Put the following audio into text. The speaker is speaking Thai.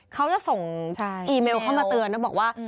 เขาจะส่งอีเมลเข้ามาเตือนนะบอกว่า